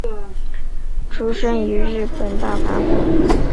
出身于日本大阪府。